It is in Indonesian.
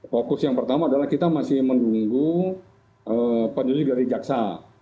fokus yang pertama adalah kita masih menunggu penulis dari jaksa